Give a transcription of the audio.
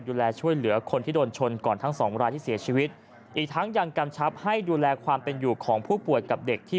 ดูแลช่วยเหลือคนที่โดนชนก่อนทั้งสองรายที่เสียชีวิตอีกทั้งยังกำชับให้ดูแลความเป็นอยู่ของผู้ป่วยกับเด็กที่